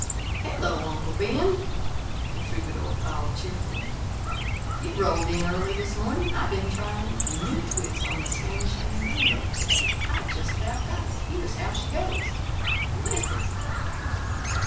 "Hello, Uncle Ben," the troubadour called, cheerfully. "You rolled in early this evening. I been trying a new twist on the Spanish Fandango to day. I just about got it. Here's how she goes—listen."